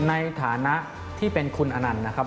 ในฐานะที่เป็นคุณอนันต์นะครับ